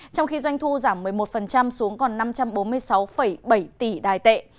trong khi doanh thu giảm một mươi một xuống còn năm trăm bốn mươi sáu bảy tỷ đài tệ